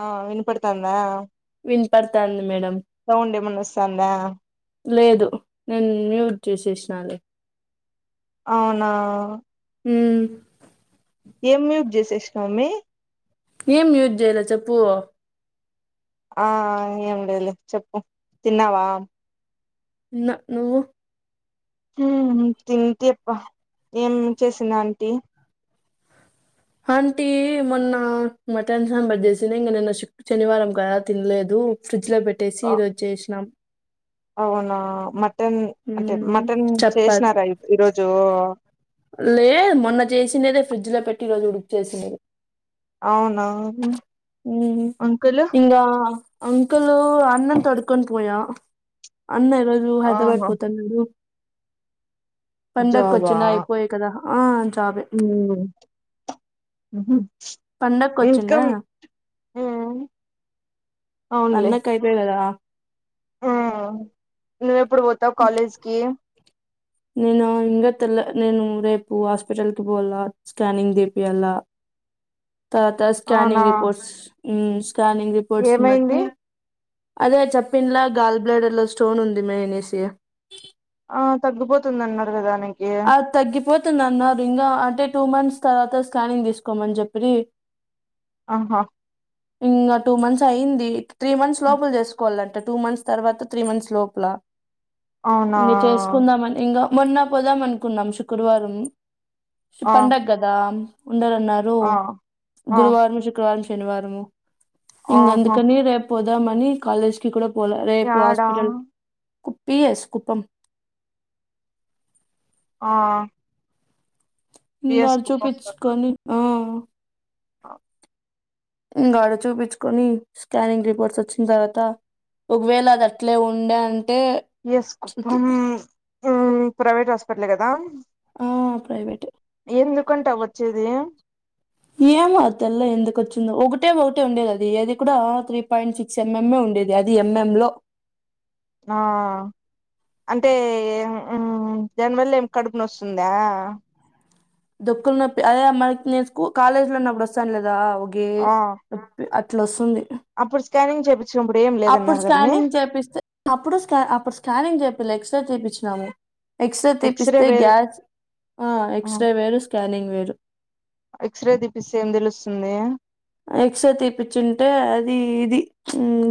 ఆ వినిపడుతాందా విన్ పడుతాంది మేడం సౌండ్ ఏమన్న వస్తాందా లేదు నేను మ్యూట్ చేసేసినాలే అవునా ఉమ్ ఏం మ్యూట్ చేసేసినావు అమి ఏం మ్యూట్ చేయలో చెప్పు ఆ ఏం లేదులే చెప్పు తిన్నవా తిన్న నువ్వు తింటిప్ప ఏం చేసింది ఆంటీ ఆంటీ మొన్న మటన్ సాంబర్ చేసింది ఇంగ నిన్న శుక్ శనివారం కదా తినలేదు ఫ్రిజ్ ఫ్రిజ్ లో పెట్టేసి ఈరోజు చేసినాం అవునా మటన్ అంటే మ్మ్ మటన్ చేసినారా ఈరోజు లే మొన్న చేసినదే ఫ్రిడ్జ్ లో పెట్టి ఈరోజు ఉడుక్ చేసినది అవునా మ్ అంకుల్ ఇంగా అంకులు అన్నను తొడుకొని పోయా అన్న ఈరోజు హైదరాబా ఆహా డ్ పండకు వచ్చిన అయిపోయే కదా ఆ జాబే ఉ హుమ్ పండక్కి వచ్చిండా ఇంకమ్ ఆ అన్నకు అయిపోయే కదా ఆ నువ్వేప్పుడు పోతావు కాలేజ్కి నేను ఇంకా తెల్ల నేను రేపు హాస్పిటల్కి పోవాల్ల స్కానింగ్ తీపియాల్ల తర్వాత అవునా స్కానింగ్ రిపోర్ట్స్ ఉమ్ స్కానింగ్ రిపోర్ట్స్ని బట్టి ఏమైంది అదే చెప్పింలా గాల్ బ్లాడర్ లో స్టోన్ ఉందిమే అనేసి ఆ తగ్గిపోతుంది అన్నారు కదా అది తగ్గిపోతుంది అన్నారు ఇంకా అంటే టూ మంత్స్ తర్వాత స్కానింగ్ తీసుకోమని చెప్పిరి ఆహా ఇంగా టూ మంత్స్ అయింది త్రీ మంత్స్ లోపల చేసుకోవాలం ట టూ మంత్స్ తర్వాత త్రీ మంత్స్ లోపల అవునా ఇంగా చేసుకుందామని ఇంగ మొన్న పోదామనుకున్నాం శుక్రవారం ఆ పండగ కదా ఉండానన్నారు ఆ ఆ గురువారం, శుక్రవారం, శనివారము. ఇంగ ఆహా అందుకని రేపు పోదామని కాలేజ్కి కూడా పోలా రేపు యాడా హాస్పిటల్ కు పిఎస్ కుప్పం ఆ పి ఇంగా ఎస్ ఆడా చూపిచ్చుకొని ఆ అ ఇంగాడ చూపిచ్చుకొని స్కానింగ్ రిపోర్ట్స్ వచ్చిన తర్వాత ఒకవేళ అది అట్లే ఉండేం ఎస్ కుప్పమ్ ఉమ్ ప్రైవేట్ హాస్పిటల్ కదా ఆ ప్రైవేటే ఎందుకంటా వచ్చేది ఏమో అ తెల్ల ఎందుకు వచ్చిందో ఒకటే ఒకటే ఉండేది అది ఏది కూడా త్రీ పాయింట్ సిక్స్ ఎంఎంఏ ఉ ఉండేది అది ఎంఎం లో ఆ అంటే దానివల్లే ఏమి కడుపు నస్తుందా దొక్కులు నొప్పి అదే మనకి నేను స్కూ కాలేజ్ లోన్నప్పుడు వస్తానులేదా ఓగి ఆ అట్లా వస్తుంది అప్పుడు స్కానింగ్ చేపించినప్పుడు ఏం అప్పుడు లేదన్నారు కదా మీ స్కానింగ్ చేపిస్తె అప్పుడు అప్పుడు స్కానింగ్ చే వీళ్ళ్ ఎక్స్ తీపిచినాము ఎక్స్ ఎక్స్రే తీపిస్తే వేరే గ్యాస్ ఆ వేరు స్కానింగ్ వేరు ఎక్స్రే తీపిస్తే ఏం తెలుస్తుంది ఎక్స్రే తీపిచ్చింటే అది ఇది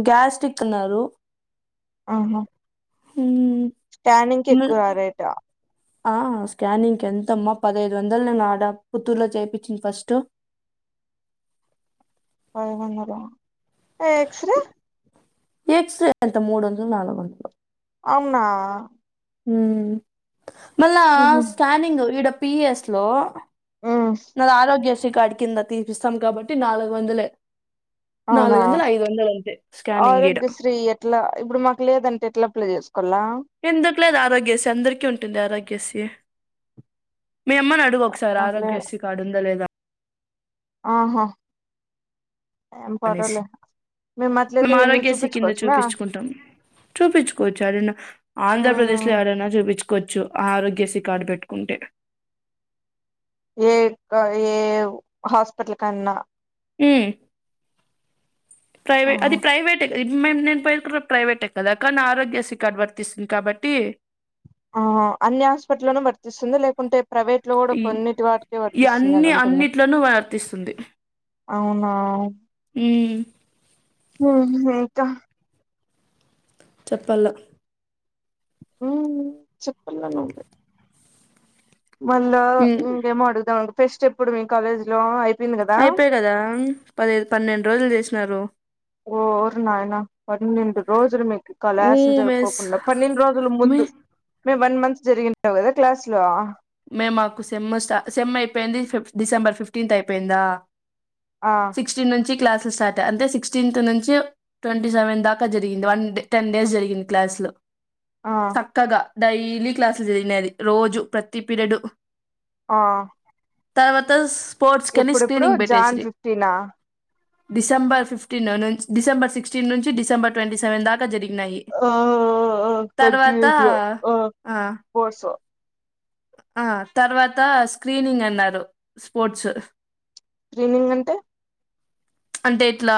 గ్యాస్టిరిక్ ఉన్నారు ఆహా హ్మ్మ్ స్కానింగ్ కి ఎక్కువ రా రేట ఆ స్కానింగ్ కి ఎంతమ్మా పదహైదు వందలు నేను ఆడ పుత్తూరులో చేపిచింద్ ఫస్ట్ అ బాగున్నారా ఎక్స్ రే ఎక్స్ రే ఎంతా మూడు వంద నాలుగు వంద అవునా మళ్ళా స్కానింగ్ ఈడ పిఎస్ లో మ్మ్ నాది ఆరోగ్యశ్రీఖ అడికిందా తీపిస్తాం కాబట్టి నాలుగు వందలే అవునా స్కానింగ్ ఈడ. ఆరోగ్యశ్రీ ఎట్లా ఇప్పుడు మాకు లేదంటే ఎట్లా అప్లే చేస్కో ఎందుకు లేదు ఆరోగ్యశీ అందరికీ ఉంటుంది ఆరోగ్యశ్రీ మీ అమ్మని అడుగు ఒకసారి మాకు లేదు ఆరోగ్యశ్రీకాడు ఉందా లేదా ఆహా ఏం అనేసి. పటలే మేౠ అట్లయితే మేము ఎళ్ళి చూపించుకోచ్చు మా చూపించుకోవచ్చు ఎడడైనా ఆంధ్రప్రదేశ్ లో మ్మ్ యాడన్న చూపించుకోవచ్చు కోచ్చు ఆరోగ్య శ్రీ కార్డు పెట్టుకుంటే ఏ ఏ హాస్పిటల్ కన్నా హ్మ్మ్ ప్రైవేట్ ఆహా అది ప్రైవేట్గా ఇప్ మేము నేను పోయరు కూడా ప్రైవేటే కదా కా నా ఆరోగ్యశీ కార్డు వర్తిస్తుంది కాబట్టి ఆ అన్ని హాస్పిటల్లోన వర్తిస్తుంది లేకుంటే ప్రైవేట్ లో కూడా ఈ కొన్నిటి వాటికే వర్తిస్తుంది అని ఉంటుందా అను వర్తిస్తుంది అవునా హ్మ్మ్ హ్మ్మ్ ఇంకా చెప్పాల హ్మ్మ్ చెప్పాల నువే మళ్ళా ఉమ్ ఇంకేం అడుగుదాం ఫెస్ట్ ఎప్పుడు మీ కాలేజ్ లో అయి అయిపోయి గదా పది పన్నెండు రోజులు చేసినారు ఓరు నాయన పన్నెండు రోజులు మీకు ఊ కళసలు మెస్ జరుకోకుండా పన్నెండు రోజులు మే ముందు మేము వన్ మంత్ జరిగినవు కదా క్లాస్ లో మే మాకు సెమ్ స్ట సెమ్ అయిపోయింది ఫిఫ డిసెంబర్ ఫిఫ్టీన్త్ అయిపోయిందా ఆ సిక్స్టీన్ నుంచి క్లాస్ స్టార్ట్ అంటే సిక్స్టీన్త్ నుంచి ట్వంటీ సెవెన్ దాకా జరిగింది వన్డ టెన్ డేస్ జరిగింది క్లాస్ లు ఆ చక్కగా డైలీ క్లాసులు జరిగినది రోజు ప్రతి పీరియడ్ ఆ తర్వాత స్పోర్ట్స్ కెని ఎప్పుడెప్పుడు స్క్రీనింగ్ జాన్ పెట్టేస్రీ ఫిఫ్టీనా డిసెబర్ ఫిఫ్టీన్ నుంచి డిసెబర్ సిక్స్టీన్ నుంచి డిసెబర్ ట్వంటీ సెవెన్ దాటి ఇంకా జరిగినాయి ఆ తర్వాత కంటిన్యూస్ గా ఆ కోర్సు ఆ తర్వాత స్క్రీనింగ్ అన్నారు స్పోర్ట్స్ స్క్రీన్స్నింగ్ అంటే అంటే ఇట్లా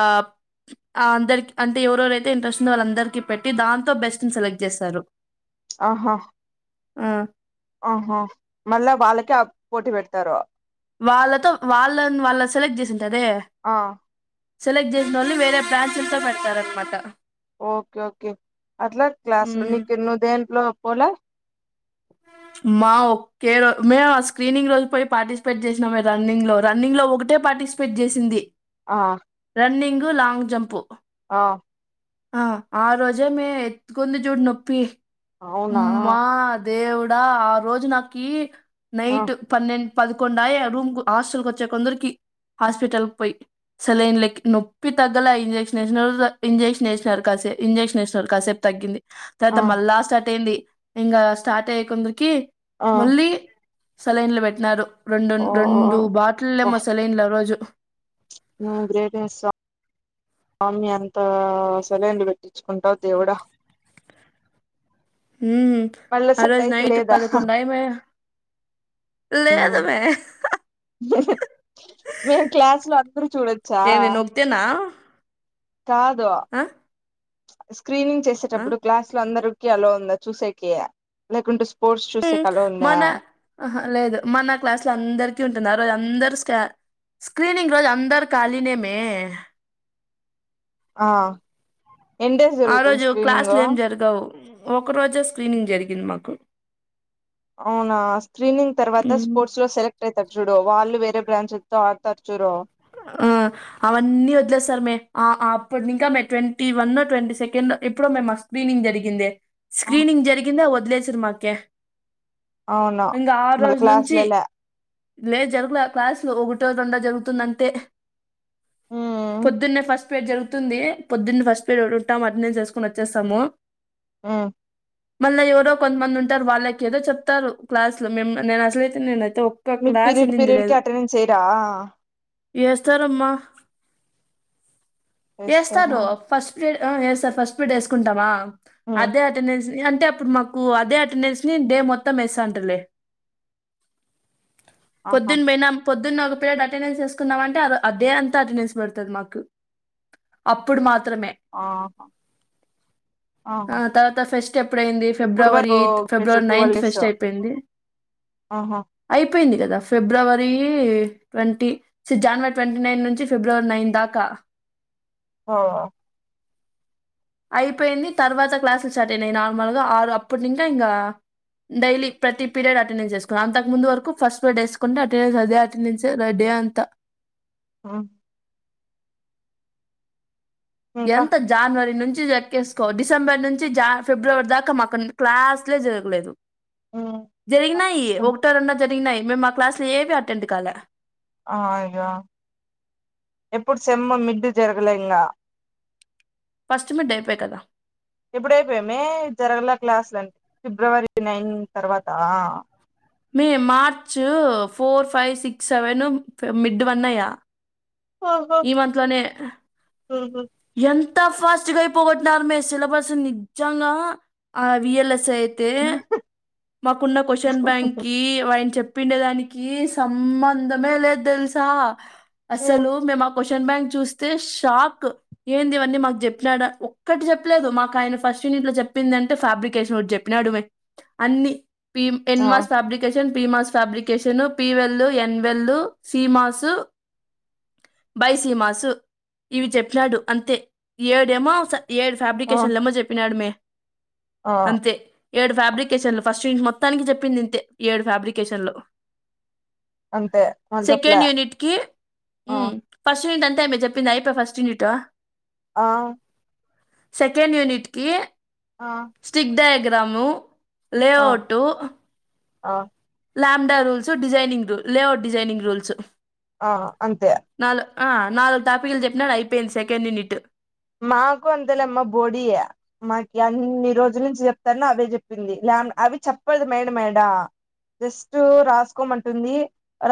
ఆ అందరికి అంటే ఎవరెవరైతే ఇంట్రెస్ట్ ఉందో వాళ్ళందరిక పెట్టి దాంతో బెస్ట్ ని సెలెక్ట్ చేస్తారు ఆహా ఆ ఆహో మళ్ళా వాళ్ళకే పోటీ పెడతారు వాళ్ళతో వాళ్ళ వాళ్ళ సెలెక్ట్ చేసింటదే ఆ సెలెక్ట్ చేసినోల్ని వేరే బ్రాంచ్లతో పెడతారనమాట ఓకే ఓకే అట్లా క్లాస్ లో మ్మ్. నీకు నువ్ దేంట్లో పోలా మా ఒక్కే రో మేము ఆ స్క్రీనింగ్ రోజు పోయి పార్టిసిపేట్ చేసినాం రన్నింగ్ లో రన్నింగ్ లో ఒకటి పార్టిసిపేట్ చేసింది ఆ రన్నింగు లాంగ్ జంపు ఆ ఆ ఆ రోజే మే ఎక్కుంది చూడు నొప్పి అవునా అమ్మా దేవుడా ఆ రోజు నాకి ఆ నైట్ పన్నెండు పదకొండాయే ఆ రూమ్ హాస్టల్ కు వచ్చే కొందరికి హాస్పిటల్ పోయి సలైన్లకి నొప్పి తగ్గల ఇంజెక్షన్ ఇంజెక్షన్ ఎసరు ఇంజెక్షన్ ఎసరు కాసేపు తగ్గింది తర్వాత ఆ మళ్ళా స్టార్ట్ అయింది ఇంగా స్టార్ట్ అయ్యి కుందరికి ఆ మళ్ళీ సెలైన్లు పెట్టినారు రెండు ఓ రెండ్ రెండు బాటిల్లేమో సెలైన్ లారోజు ను గ్రేట్ ముస్సా ఆమె అంత సెలైన్లు పెట్టించుకుంటా దేవుడా ఉమ్ మళ్ళ ఆ సెట్ రోజు అయితే నైట్ లేదా పదకొండెమయే లేద మ్మ్. మే హా హా వేర్ క్లాస్ లో అందరు చూడొచ్చా ఏంది నొక్తేనా కాదు ఆ స్క్రీనింగ్ ఆ చేసేటప్పుడు క్లాస్ లో అందరూ ఎలో ఉందా చూసేకి లేకుంటే స్పోర్ట్స్ ఉమ్ చూసేకి అలో ఉందా మన ఆహా లేదు మన క్లాసు లో అందరికి ఉంటున్నారు అందరు స్క స్క్రీనింగ్ రోజు అందరు కాలినే మే ఆ ఎన్ని డేస్ ఆ జరుగుతుంది రోజు స్క్రీనింగ్ క్లాసులు ఏం జరగవు ఒక్క రోజే స్క్రీనింగ్ జరిగింది మాకు అవునా స్క్రీనింగ్ తర్వాత ఉమ్. స్పోర్ట్స్ లో సెలెక్ట్ థె చుడు వాళ్ళు వేరే బ్రాంచ్లతో ఆడతారు చురు ఆ అవన్నీ వదిలేస్తార్ మే ఆ అప్పుడు ఇంకా May twenty one, twenty second ఎప్పుడో మే మా స్క్రీనింగ్ జరిగింద స్క్రీనింగ్ జరిగిందా వదిలేసారు మాకే అవును ఇంకా ఆ మళ్ళ రోజు నుంచి క్లాస్లలా లేదు జరుగులే క్లాసులు ఒకటో రెండో జరుగుతుందంటే మ్మ్ పొద్దున్నే ఫస్ట్ పేడ్ జరుగుతుంది పొద్దున్న ఫస్ట్ పేడ్ ఉంటాం అట్ం చేసుకొని వచ్చేస్తాము ఆ మళ్ళీ ఎవరో కొంతమంది ఉంటారు వాళ్ళకి ఏదో చెప్తారు క్లాస్ లో మే నేను అసలైతే నేనుచ్చ ఒక్క మీకు క్లాస్ పీరియడ్ ఇనింధి పీరియడ్ కి లేదు అటెండెన్స్ ఎయ్యరా ఎస్తారమ్మ ఎస్తారా ఎస్థారు వస్తారు first plate sir first feed వేసుకుంటామా హ్మ్ అదే అటెండెన్స్ అంటే అప్పుడు మాకు అదే అటెండెన్స్ ని డే మొత్తం మిస్ అంటలే ఆహా పొద్దున్ బోయ్నా పొద్దున్న ఒక పిల అటెండెన్స్ ఎసుకున్నమంటే అదే అంత అటెండెన్స్ పడుతుంది మాకు అప్పుడు మా ఆహ ఆ తర్వాత ఫెస్ట్ ఎప్పుడైంది ఫిబ్రవరి వరకు eighth first February twelve ninth days fest అయిపోయింది ఆహా అయిపోయింది కదా ఫిబ్రవరి ట్వంటీ చి జనవరి ట్వంటీ నైన్ నుంచి ఫిబ్రవరి నైన్ దాకా ఓ అయిపోయింది తర్వాత క్లాసులు స్టార్ట్ అయిన నార్మల్గా ఆరు అప్పటి నుంచి ఇంకా డైలీ ప్రతి పీరియడ్ అటెండెన్స్ చేసుకున్నా అంతకు ముందు వరకు ఫస్ట్ సుకుంటే [unintelligible] అదే అటెండెన్స్ అంత ఆ ఇంకా ఎంత జానవరి నుంచి చెక్కేసుకో డిసెంబర్ నుంచి జ ఫిబ్రవరి దాకా మాకు క్లాస్లే జరగలేదు హ్మ్ జరిగినాయి అదృష్టంగా ఒకటో రెండో జరిగినాయి మేము మా క్లాస్లు ఏవి అటెండ్ కాలా అయ్యో ఎప్పుడు సెమ్ము మిడ్డు జరగలే ఇంకా ఫస్ట్ మిడ్ అయిపోయి కదా ఎప్పుడైపోయామి జరగల క్లాసులు అన్ని ఫిబ్రవరి నైన్ తర్వాత మీయి March four five six seven mid one అయా ఈ మంత్ లోనే అహ ఎంత ఫస్ట్గాయిపోగట్టినరు మీర్ సిలబస్ నిజంగా ఆ వి యల్ ఎస్ తే మాకున్న కశ్న్ బ్యాం కి ఆయిన్ చెప్ పిండే దానికి సంబంధమే లేదు తెలుసా హ్మ్ అసలు మేము ఆ కోష్ షన్ బ్యాంక్ చూస్తే షాక్ ఏంది ఇవన్నీ మాకు చెప్పినడు ఒక్కటి చెప్పలేదు మాకు ఆయన ఫస్ట్ యూనిట్ లో చెప్పింది అంటే ఫ్యాబ్రికేషన్ ఒకటి చెప్పినాడు నడువే అన్ని పి ఆ ఎన్మాస్ ఫాబ్రికే పిమాస్ ఫ్యాబ్రికేషను పివల్ ఎన్వెల్ సిమాసు బై సీమాసు ఇవి చెప్పినాడు అంతే ఏడేమో స ఏడు ఆ ఫ్యాబ్రికేషన్లు ఏమో చెప్పినాడుమే ఆ అంతే ఏడు ఫ్యాబ్రికేషన్లు ఫస్ట్ యూనిట్ మొత్తానికి చెప్పింది ఇంతే ఏడు ఫ్యాబ్రికేషన్లు అంతే వాళ్ళు చెప్పలే సెకండ్ యూనిట్ కి ఊ ఆ ఫస్ట్ యూనిట్ అంత టైమే చెప్పింది అయిప ఫస్ట్ యూనిటు ఆ సెకండ్ యూనిట్ కి ఆ స్టిక్ డయాగ్రామ్ లే ఆ అవుటు ఆ lambda rules designing rule layer designing rules ఆ అంతే ఆ నాలుగు టాపిక్లు చెప్పినాడు అయిపోయింది సెకండ్ యూనిట్ మాకు అంతల మ బోడియా మాక్ అన్ని రోజుల నుంచి చెప్తాను అవే చెప్పింది లాం అవి చెప్పలేదు మేడ మేడ జస్ట్ రాసుకోమంటుంది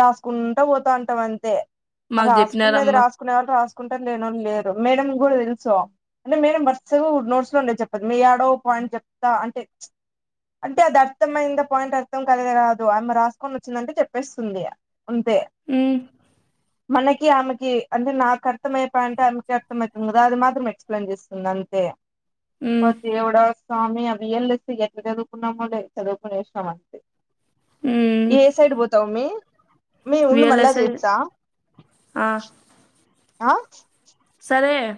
రాసుకుంటా పోతాంటాం అంతే మాకు రాసుకునేది చెప్పినారమ్మా రాసుకునే వాళ్ళు రాసుకుంటారు లేనోలు లేరు మేడం కూడా తెల్స్ సో అంటే మేడం వరుస నోట్స్ లో ఉండే చెప్పదు మీ ఏడో పాయింట్ చెప్తా అంటే అంటే అది అర్థం అయిందా పాయింట్ అర్థం కలిదు కాదు ఆమె రాసుకొని వచ్చిందంటే చెప్పేస్తుంది అంతే ఉమ్, మనకి ఆమె కి అంటే నాకు అర్థం అయ్యే పాయింట ఆమెకి అర్థం అయితుంది కదా అది మాత్రం ఎక్స్ప్లెయిన్ చేస్తుంది అంతే అబ ఉమ్, దేవుడా స్వామి అ వి యల్ ఎసి ఎట్లా చదువుకున్నామో లే చదువుకునేష్ణం అంతే ఉమ్. ఏ సైడ్ బోతావ్ మ్మీ మీ వుండు మళ్ళా చేస్తా ఆ ఆ సరే